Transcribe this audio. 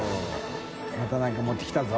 泙なんか持ってきたぞ。